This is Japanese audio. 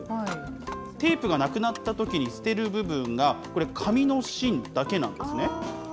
テープがなくなったときに捨てる部分が、これ、紙の芯だけなんですね。